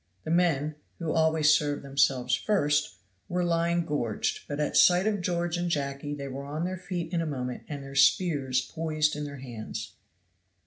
The men, who always serve themselves first, were lying gorged but at sight of George and Jacky they were on their feet in a moment and their spears poised in their hands.